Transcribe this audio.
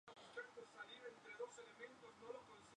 El precedente literario pudo ser Ramón Gómez de la Serna.